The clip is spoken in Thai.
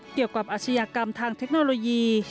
เกี่ยวกับอาชญากรรมทางเทคโนโลยี